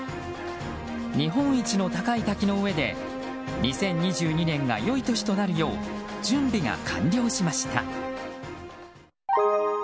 日本一の高い滝の上で２０２２年が良い年となるよう準備が完了しました。